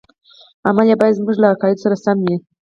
عمل یې باید زموږ له عقایدو سره سم وي.